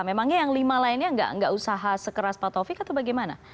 memangnya yang lima lainnya nggak usaha sekeras pak taufik atau bagaimana